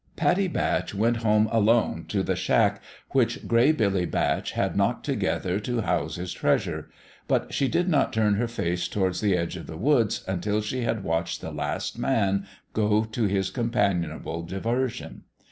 Pattie Batch went home alone to the shack which Gray Billy Batch had knocked together to house his treasure ; but she did not turn her face towards the edge of the woods until she had watched the last man go to his companionable diversion.